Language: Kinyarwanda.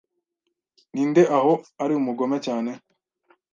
Ninde aho ari umugome cyane